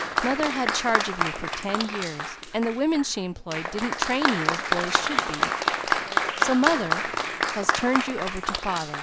"Mother had charge of you for ten years. The women she employed didn't train you as boys should be, so mother has turned you over to father.